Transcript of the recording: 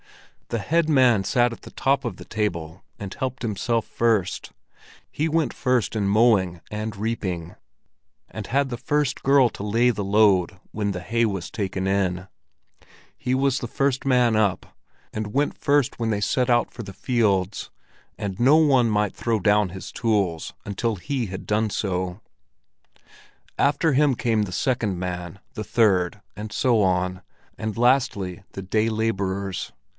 The head man sat at the top of the table and helped himself first, he went first in mowing and reaping, and had the first girl to lay the load when the hay was taken in; he was the first man up, and went first when they set out for the fields, and no one might throw down his tools until he had done so. After him came the second man, the third, and so on, and lastly the day laborers.